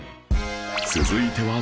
続いては